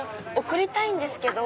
送りたいんですけど。